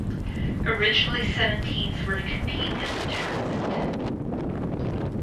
Originally seven teams were to compete in the tournament.